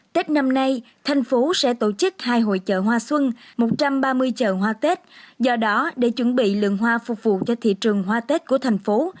tết năm nay thành phố sẽ tổ chức hai hội chợ hoa xuân một trăm ba mươi chợ hoa tết do đó để chuẩn bị lượng hoa phục vụ cho thị trường hoa tết của thành phố